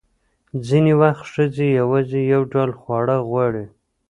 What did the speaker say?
ځینې وخت ښځې یوازې یو ډول خواړه غواړي.